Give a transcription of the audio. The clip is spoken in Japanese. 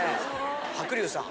白竜さん。